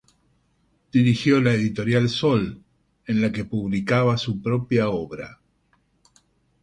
Dirigió la Editorial Sol, en la que publicaba su propia obra.